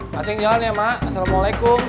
mas ceng jalan ya mak assalamualaikum